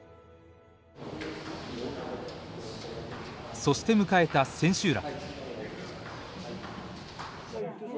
そして迎えた千秋楽。